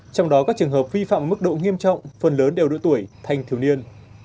trong đó các trường hợp vi phạm mức độ nghiêm trọng phần lớn đều đuổi tuổi thành thiếu niên